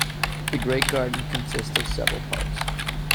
The Great Garden consists of several parts.